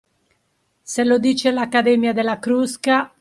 Se lo dice l'Accademia della Crusca